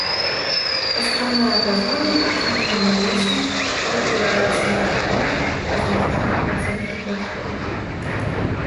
Астраўная платформа прычынена навесам, абапіраецца на калоны, размешчаныя па цэнтры платформы.